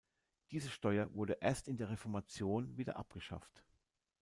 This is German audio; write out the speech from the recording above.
Diese Steuer wurde erst in der Reformation wieder abgeschafft.